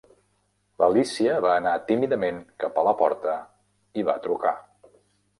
L'Alícia va anar tímidament cap a la porta i va trucar.